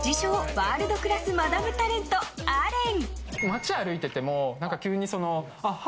ワールドクラスマダムタレント、アレン。